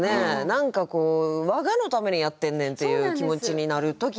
何かこう我がのためにやってんねんっていう気持ちになる時はありますね